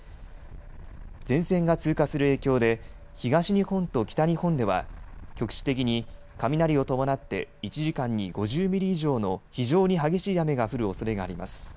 前線が通過する影響で東日本と北日本では局地的に雷を伴って１時間に５０ミリ以上の非常に激しい雨が降るおそれがあります。